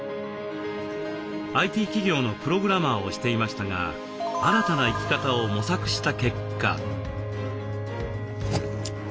ＩＴ企業のプログラマーをしていましたが新たな生き方を模索した結果。